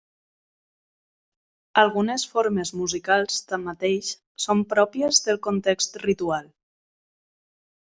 Algunes formes musicals, tanmateix, són pròpies del context ritual.